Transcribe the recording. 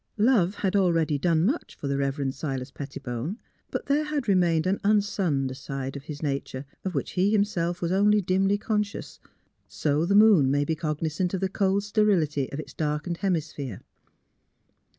Love had already done much for the Rever end Silas Pettibone; but there had remained an unsunned side of his nature of which he himself was only dimly conscious, so the moon may be cog nisant of the cold sterility of its darkened hemi sphere.